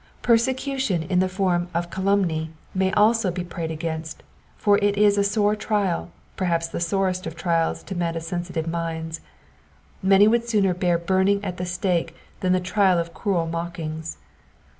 Persecution in the form of calumny may also be prayed against, for it is a sore trial, perhaps the sorest of trials to men of sensitive minds. Many would sooner, bear bumine at the stake than the trial of cruel mockings.